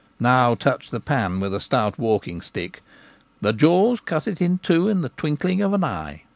Now touch the pan with a stout walking stick — the jaws cut it in two in the twinkling of an eye.